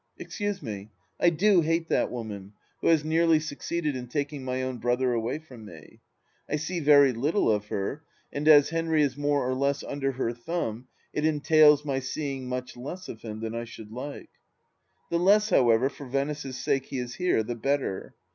Excuse me, I do hate that woman, who has nearly suc ceeded in taking my own brother away from me. I see very little of her, and as Henry is more or less imder her thumb it entails my seeing much less of him than I should like. The less, however, for Venice's sake he is here, the better.